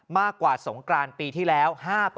มากกว่าสงกรานปีที่แล้ว๕